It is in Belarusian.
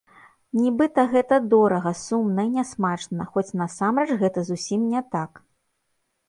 Нібыта гэта дорага, сумна і нясмачна, хоць насамрэч гэта зусім не так.